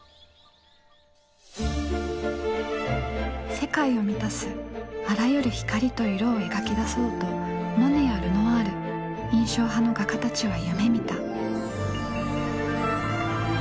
世界を満たすあらゆる光と色を描き出そうとモネやルノワール印象派の画家たちは夢みた。